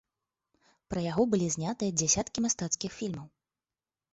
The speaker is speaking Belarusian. Пра яго былі знятыя дзясяткі мастацкіх фільмаў.